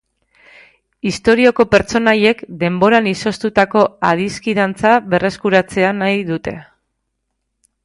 Istorioko pertsonaiek denboran izoztutako adiskidantza berreskuratzea nahi dute.